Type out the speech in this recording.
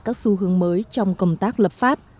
các xu hướng mới trong công tác lập pháp